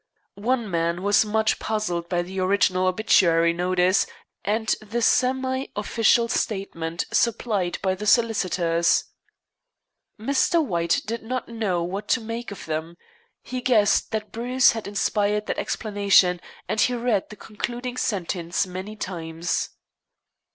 One man was much puzzled by the original obituary notice and the semi official statement supplied by the solicitors. Mr. White did not know what to make of them. He guessed that Bruce had inspired that "explanation," and he read the concluding sentence many times.